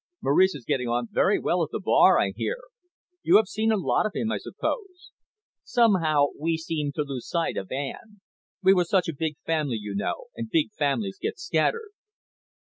Maurice is getting on very well at the bar, I hear. You have seen a lot of him, I suppose. Somehow, we seemed to lose sight of Anne. We were such a big family, you know; and big families get scattered."